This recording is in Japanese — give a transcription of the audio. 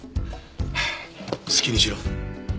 はあ好きにしろ。